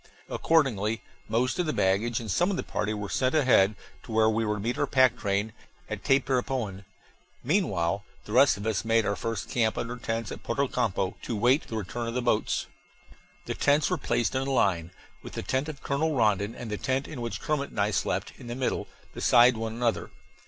Accordingly most of the baggage and some of the party were sent ahead to where we were to meet our pack train, at Tapirapoan. Meanwhile the rest of us made our first camp under tents at Porto Campo, to wait the return of the boats. The tents were placed in a line, with the tent of Colonel Rondon and the tent in which Kermit and I slept, in the middle, beside one another.